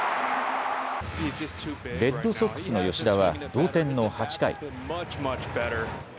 レッドソックスの吉田は同点の８回。